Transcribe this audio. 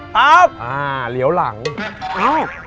ครับผม